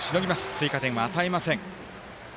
追加点を与えません。